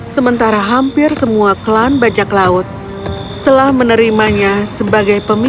sementara hampir semua klan bajak laut telah menerimanya sebagai pemimpin